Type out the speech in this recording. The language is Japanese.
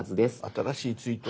「新しいツイート」。